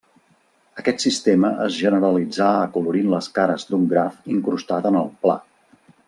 Aquest sistema es generalitzà acolorint les cares d'un graf incrustat en el pla.